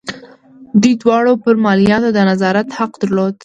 دوی دواړو پر مالیاتو د نظارت حق درلود.